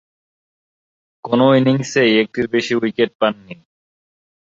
কোন ইনিংসেই একটির বেশি উইকেট পাননি।